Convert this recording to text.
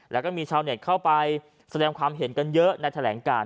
แล้วก็มีชาวเน็ตเข้าไปแสดงความเห็นกันเยอะในแถลงการ